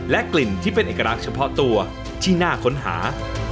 กลิ่นที่เป็นเอกลักษณ์เฉพาะตัวที่น่าค้นหา